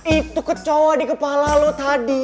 itu kecoa di kepala lo tadi